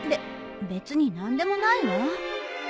べ別に何でもないわ